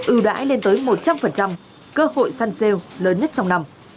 ưu đãi lên tới một trăm linh cơ hội săn sale lớn nhất trong năm